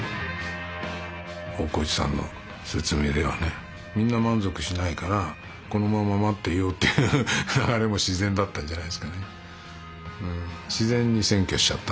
大河内さんの説明ではねみんな満足しないからこのまま待っていようっていう流れも自然だったんじゃないんですかね。